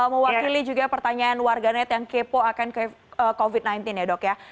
mewakili juga pertanyaan warganet yang kepo akan covid sembilan belas ya dok ya